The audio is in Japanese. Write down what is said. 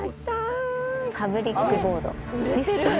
パブリックボード。